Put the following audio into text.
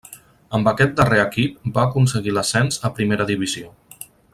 Amb aquest darrer equip va aconseguir l'ascens a primera divisió.